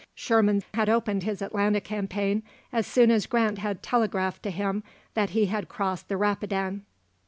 Sherman had opened his Atlanta campaign as soon as Grant had telegraphed to him that he had crossed the Rapidan.